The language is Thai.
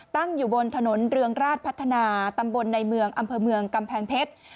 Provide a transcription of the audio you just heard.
ตั้งอยู่บนถนนเรืองราชพัฒนาตำบลในเมืองอำเภอเมืองกำแพงเพชร